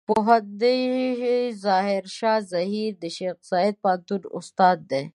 پوهندوی ظاهر شاه زهير د شیخ زايد پوهنتون استاد دی.